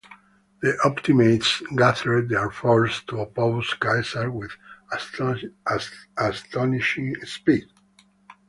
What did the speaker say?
The Optimates gathered their forces to oppose Caesar with astonishing speed.